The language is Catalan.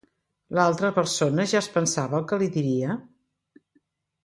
L'altra persona ja es pensava el que li diria?